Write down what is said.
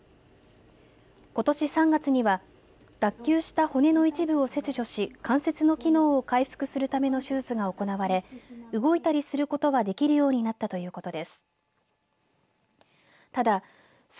ことし３月には脱臼した骨の一部を切除し関節の機能を回復するための手術が行われ動いたりすることはできるようになったということです。